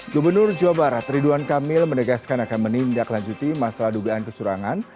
gubernur jawa barat ridwan kamil menegaskan akan menindaklanjuti masalah dugaan kecurangan